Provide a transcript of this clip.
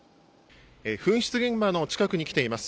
噴出現場の近くに来ています。